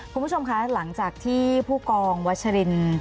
คุณผู้ชมคะหลังจากที่ผู้กองวัชริน